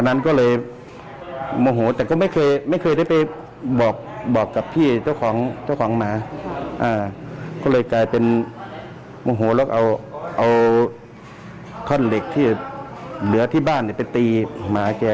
ฟังเสียงผู้ก่อเหตุกันนะคะ